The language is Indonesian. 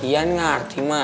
ian ngerti ma